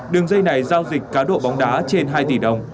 đường dây này giao dịch cá độ bóng đá trên hai tỷ đồng